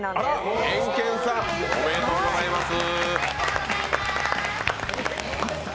おめでとうございます。